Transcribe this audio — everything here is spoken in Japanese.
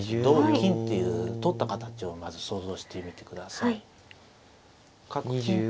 同金っていう取った形をまず想像してみて下さい。